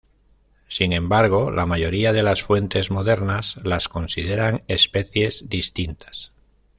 Sin embargo, la mayoría de las fuentes modernas las consideran especies distintas.